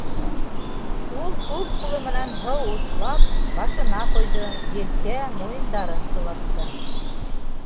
Ул, һул ҡулы менән һыу услап, башына ҡойҙо, елкә, муйындарын сылатты.